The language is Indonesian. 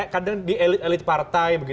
kadang di elit elit partai